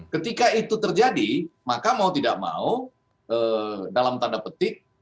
ketika itu terjadi maka mau tidak mau dalam tanda petik